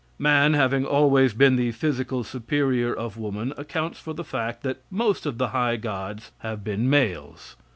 Man, having always been the physical superior of woman, accounts for the fact that most of the high gods have been males.